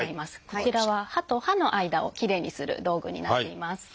こちらは歯と歯の間をきれいにする道具になっています。